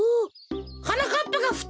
はなかっぱがふたり！？